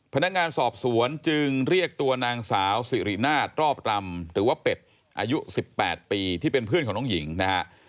พนักงานสอบสวนจึงเรียกตัวนางสาวสิรินาทรอบรำหรือว่าเป็ดอายุ๑๘ปีที่เป็นเพื่อนของน้องหญิงนะฮะ